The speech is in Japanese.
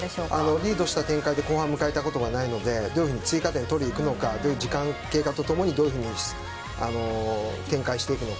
リードした展開で後半を迎えたことがないのでどういうふうに追加点を取りにいくのか時間経過とともにどういうふうに展開していくのか。